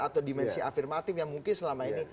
atau dimensi afirmatif yang mungkin selama ini